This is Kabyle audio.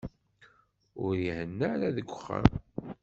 Ur ihenna ara deg uxxam.